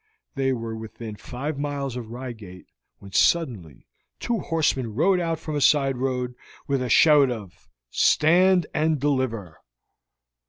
They were within five miles of Reigate when suddenly two horsemen rode out from a side road with a shout of "Stand and deliver!"